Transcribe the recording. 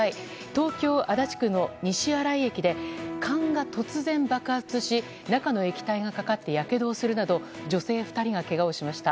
東京・足立区の西新井駅で缶が突然爆発し中の液体がかかってやけどをするなど女性２人がけがをしました。